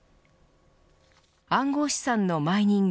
暗号資産のマイニング